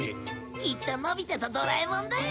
きっとのび太とドラえもんだよ。